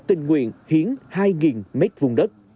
tình nguyện hiến hai nghìn m vùng đất